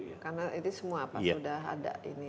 karena itu semua apa sudah ada ini